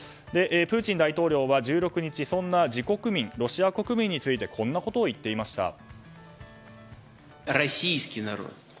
プーチン大統領は１６日そんな自国民ロシア国民についてこんなことを言っていました。